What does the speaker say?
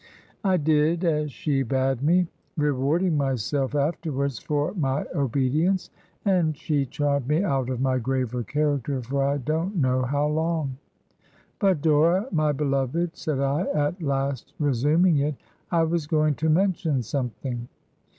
I did as she bade me — rewarding myself afterwards for my obedience — and she charmed me out of my graver character for I don't know how long. 'But, Dora, my beloved I' said I, at last resuming it; 'I was going to mention something.